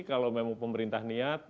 kalau memang pemerintah niat